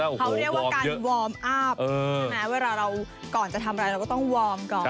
เขาเรียกว่าการวอร์มอัพใช่ไหมเวลาเราก่อนจะทำอะไรเราก็ต้องวอร์มก่อน